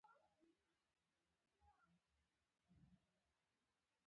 قلم او کاغذ سره لازم دي.